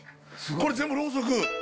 これ全部ろうそく？